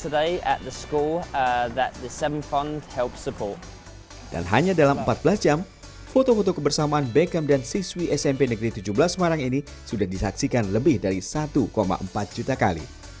dan hanya dalam empat belas jam foto foto kebersamaan beckham dan siswi smp negeri tujuh belas semarang ini sudah disaksikan lebih dari satu empat juta kali